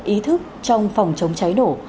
ý thức trong phòng chống cháy nổ